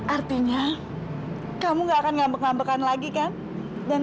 artinya kamu gak akan ngambek ngambekan lagi kan